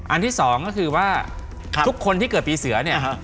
ที่สองก็คือว่าทุกคนที่เกิดปีเสือเนี่ย